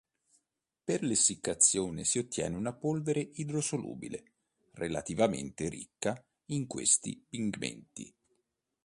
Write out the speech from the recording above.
Per essiccazione si ottiene una polvere idrosolubile relativamente ricca in questi pigmenti.